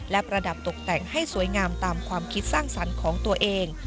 และประดับตกแต่งให้สวยงามตามความคิดสร้างสรรค์ของตัวเอง